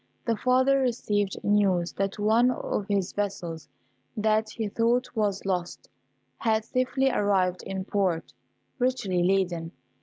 The father received news that one of his vessels, that he thought was lost, had safely arrived in port, richly laden.